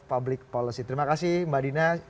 public policy terima kasih mbak dina